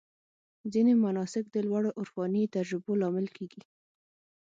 ځینې مناسک د لوړو عرفاني تجربو لامل کېږي.